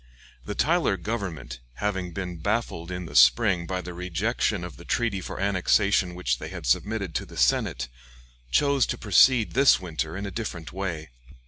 The Tyler government, having been baffled in the spring by the rejection of the treaty for annexation which they had submitted to the Senate, chose to proceed this winter in a different way.